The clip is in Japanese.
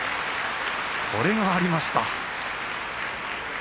これがありました。